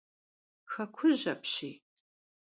Hekhuj apşiy!